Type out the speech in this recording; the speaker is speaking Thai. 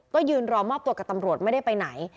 ก็ยืนรอมอบตัวกับตำรวจไม่ได้ไปไหน